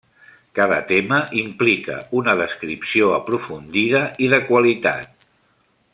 Cada tema implica una descripció aprofundida i de qualitat.